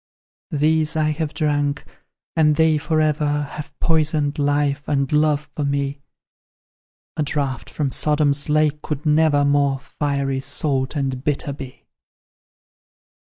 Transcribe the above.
"These I have drunk, and they for ever Have poisoned life and love for me; A draught from Sodom's lake could never More fiery, salt, and bitter, be.